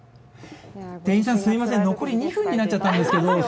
店員さん、すみません残り２分になっちゃったんですけど。